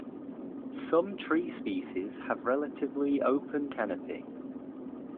Some tree species have relatively open canopy.